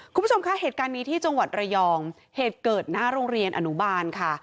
คุณผู้ชมคะเหตุการณ์นี้ที่จังหวัดระยองเหตุเกิดหน้าโรงเรียนอนุบาลค่ะ